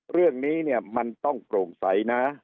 เรื่องนี้เนี่ยมันต้องโปร่งใสนะ